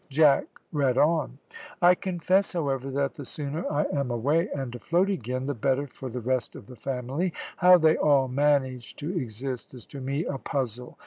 Jack read on: "I confess, however, that the sooner I am away and afloat again, the better for the rest of the family. How they all manage to exist is to me a puzzle.